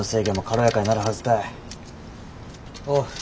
おう。